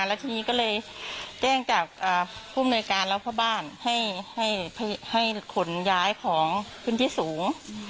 แล้วทีนี้ก็เลยแจ้งจากผู้อำนวยการและพ่อบ้านให้ขนย้ายของพื้นที่สูง